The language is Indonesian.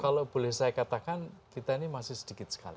kalau boleh saya katakan kita ini masih sedikit sekali